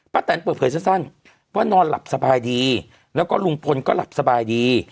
แตนเปิดเผยสั้นว่านอนหลับสบายดีแล้วก็ลุงพลก็หลับสบายดี